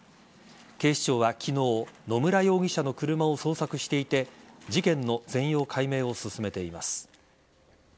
警視庁は昨日野村容疑者の車を捜索していて事件の全容解明を進めています。